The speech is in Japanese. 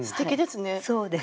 そうですね。